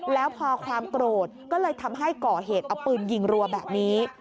แล้วพอความโกรธก็เลยทำให้ก่อเหตุเอาปืนยิงรัวแบบนี้